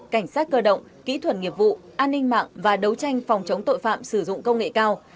cảnh sát cơ động kỹ thuật nghiệp vụ an ninh mạng và đấu tranh phòng chống tội phạm sử dụng công nghệ cao